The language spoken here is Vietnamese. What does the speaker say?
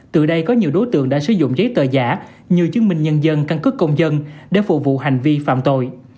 từ đây có nhiều đối tượng đã sử dụng giấy tờ giả như chứng minh nhân dân căn cứ công dân để phục vụ hành vi phạm tội